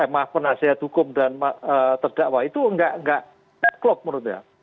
maaf penasihat hukum dan terdakwa itu nggak clock menurut dia